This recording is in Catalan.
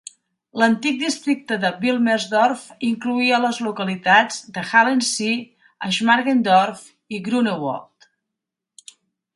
L'antic districte de Wilmersdorf incloïa les localitats de Halensee, Schmargendorf i Grunewald.